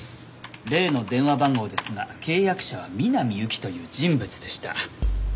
例の電話番号ですが契約者は南侑希という人物でした。